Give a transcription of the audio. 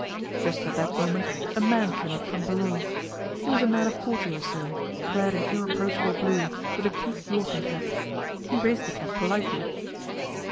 Just at that moment a man came up from below. He was a man of forty or so, clad in irreproachable blue, with a peaked yachting cap. He raised the cap politely.